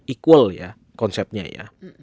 equal ya konsepnya ya